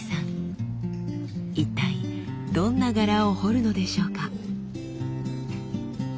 一体どんな柄を彫るのでしょうか？